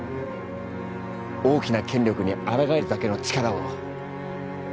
大きな権力にあらがえるだけの力を。